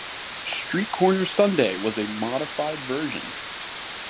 "Street Corner Sunday" was a modified version.